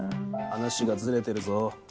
話がずれてるぞ。